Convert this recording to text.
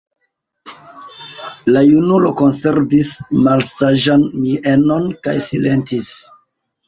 La junulo konservis malsaĝan mienon kaj silentis.